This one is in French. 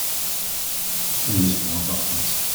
Une leçon importante.